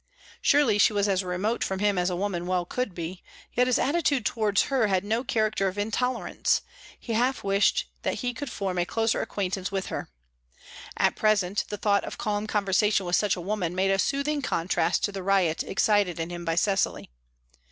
Surely she was as remote from him as a woman well could be, yet his attitude towards her had no character of intolerance; he half wished that he could form a closer acquaintance with her. At present, the thought of calm conversation with such a woman made a soothing contrast to the riot excited in him by Cecily.